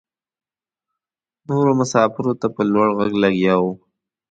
نورو مساپرو ته په لوړ غږ لګیا وه.